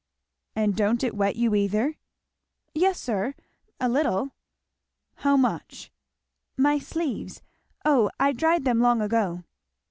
"And don't it wet you either?" "Yes sir a little." "How much?" "My sleeves, O I dried them long ago."